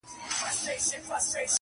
دا وطن دی د رنځورو او خوږمنو!.